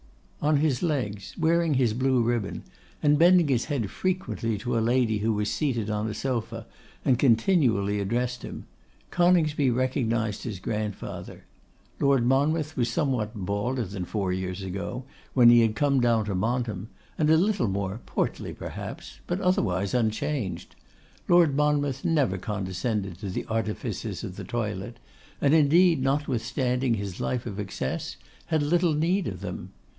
On his legs, wearing his blue ribbon and bending his head frequently to a lady who was seated on a sofa, and continually addressed him, Coningsby recognised his grandfather. Lord Monmouth was somewhat balder than four years ago, when he had come down to Montem, and a little more portly perhaps; but otherwise unchanged. Lord Monmouth never condescended to the artifices of the toilet, and, indeed, notwithstanding his life of excess, had little need of them.